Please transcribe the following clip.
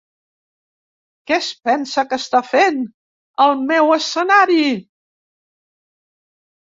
Què es pensa que està fent al meu escenari?